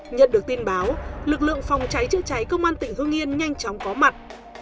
nhận được tin báo lực lượng phòng cháy chữa cháy công an tỉnh hương yên nhanh chóng có mặt